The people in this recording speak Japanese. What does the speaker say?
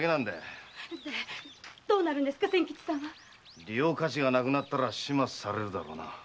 でどうなるんですか千吉さんは⁉利用価値がなくなったら始末されるだろうな。